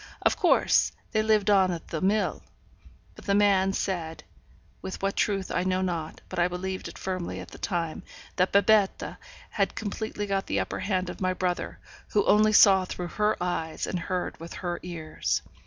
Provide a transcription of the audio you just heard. Of course, they lived on at the mill, but the man said (with what truth I know not, but I believed it firmly at the time) that Babette had completely got the upper hand of my brother, who only saw through her eyes and heard with her ears.